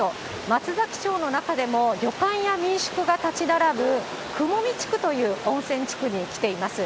松崎町の中でも旅館や民宿が建ち並ぶ、くもみ地区という温泉地区に来ています。